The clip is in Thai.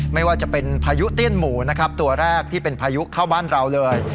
ไม่ว่าจะเป็นพายุเตี้ยนหมูนะครับตัวแรกที่เป็นพายุเข้าบ้านเราเลย